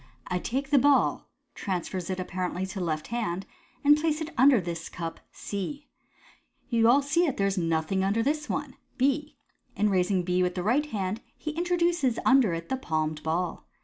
I take the ball " (transfers it apparently to left hand) "and place it under this cup (C). You all see that there is nothing under this one " (B). In raising B with the right hand he introduces under it the palmed ball.